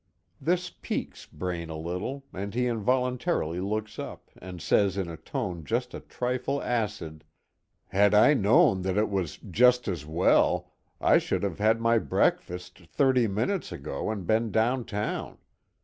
This piques Braine a little, and he involuntarily looks up, and says in a tone just a trifle acid: "Had I known that it was 'just as well,' I should have had my breakfast thirty minutes ago, and been down town.